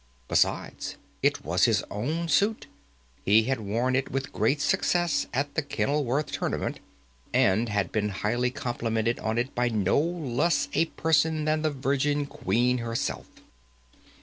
Besides it was his own suit. He had worn it with great success at the Kenilworth tournament, and had been highly complimented on it by no less a person than the Virgin Queen herself.